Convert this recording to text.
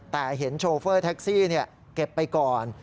แต่เห็นโชเฟอร์แท็กซี่เก็บไปก่อน